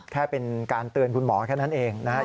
แค่เป็นการเตือนคุณหมอแค่นั้นเองนะครับ